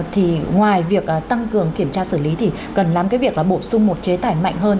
thì ngoài việc tăng cường kiểm tra xử lý thì cần làm cái việc là bổ sung một chế tải mạnh hơn